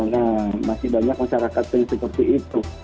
nah masih banyak masyarakat yang seperti itu